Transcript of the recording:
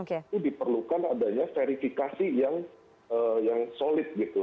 itu diperlukan adanya verifikasi yang solid gitu